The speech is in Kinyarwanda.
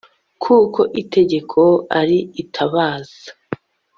Kuko itegeko ari itabaza